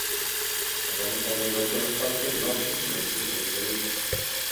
Rząd planuje dodatkowe wsparcie dla przedsiębiorców w kryzysie.